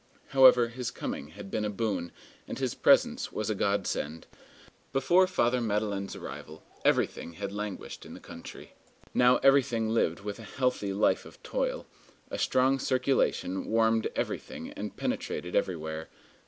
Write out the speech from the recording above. However, his coming had been a boon, and his presence was a godsend. Before Father Madeleine's arrival, everything had languished in the country; now everything lived with a healthy life of toil. A strong circulation warmed everything and penetrated everywhere.